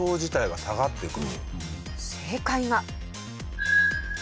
正解は。